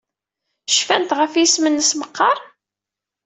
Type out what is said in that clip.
Cfant ɣef yisem-nnes meqqar?